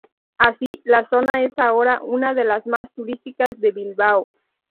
Así, la zona es ahora una de las más turísticas de Bilbao.